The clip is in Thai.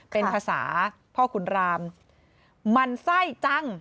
เป็นภาษาพ่อขุนรามมันไส้จัง